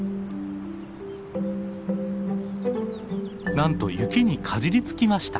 なんと雪にかじりつきました。